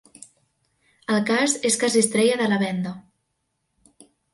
El cas és que es distreia de la venda